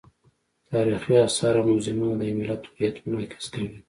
تاریخي آثار او موزیمونه د یو ملت هویت منعکس کوي.